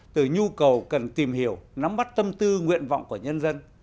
từ nhu cầu cần tìm hiểu nắm bắt tâm tư nguyện vọng của nhân dân